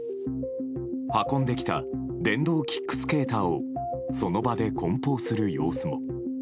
運んできた電動キックスケーターをその場で梱包する様子も。